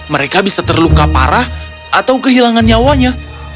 mereka bisa terluka parah atau kehilangan nyawanya